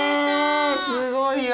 すごいよ！